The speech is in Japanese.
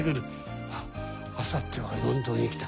あさってはロンドン行きだ。